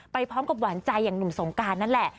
ไปพร้อมกับหวานใจอย่างหนุ่มสงการนั่นแหละ